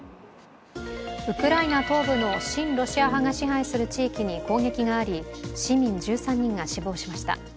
ウクライナ東部の親ロシア派が支配する地域に攻撃があり市民１３人が死亡しました。